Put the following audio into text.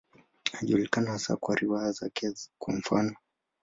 Anajulikana hasa kwa riwaya zake, kwa mfano.